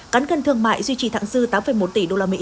cán cân thương mại duy trì thẳng dư tám một tỷ usd